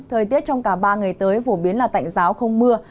thời tiết trong cả ba ngày tới phổ biến là tạnh giáo không mưa